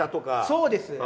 そうです！